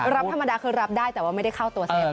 รับธรรมดาคือรับได้แต่ว่าไม่ได้เข้าตัวเซฟ